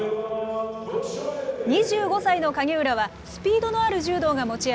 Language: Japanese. ２５歳の影浦はスピードのある柔道が持ち味。